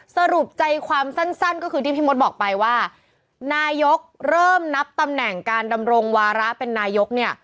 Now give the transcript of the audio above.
สรุปใจความสั้นก็คือที่พี่มดบอกไปว่านายกเริ่มนับตำแหน่งการดำรงวาระเป็นนายกเนี่ย